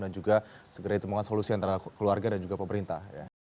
juga segera ditemukan solusi antara keluarga dan juga pemerintah